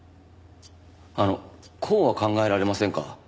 あのこうは考えられませんか？